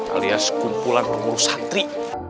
alias kumpulan pengurus santri